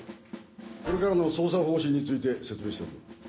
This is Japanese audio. これからの捜査方針について説明しておく。